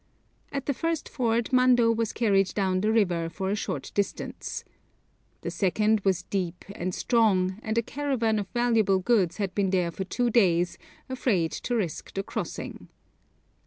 At the first ford Mando was carried down the river for a short distance. The second was deep and strong, and a caravan of valuable goods had been there for two days, afraid to risk the crossing.